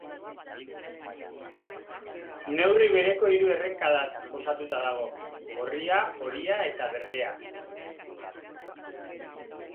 Neurri bereko hiru errenkadaz osatuta dago: gorria, horia eta berdea.